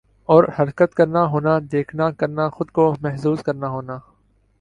اور حرکت کرنا ہونا دیکھنا کرنا خود کو محظوظ کرنا ہونا